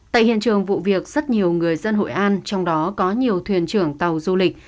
tại hiện trường vụ việc rất nhiều người dân hội an trong đó có nhiều thuyền trưởng tàu du lịch